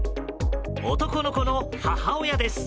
男の子の母親です。